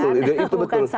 ya betul itu betul